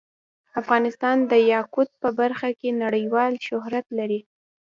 افغانستان د یاقوت په برخه کې نړیوال شهرت لري.